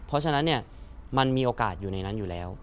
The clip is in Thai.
เพราะฉะนั้นมันมีโอกาสอยู่ในนั้นอยู่แล้ว